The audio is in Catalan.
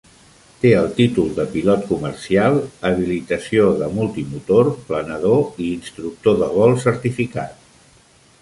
Té el títol de pilot comercial, habilitació de multimotor, planador i instructor de vol certificat.